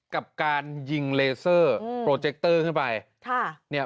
กับการยิงเลเซอร์โปรเจคเตอร์ขึ้นไป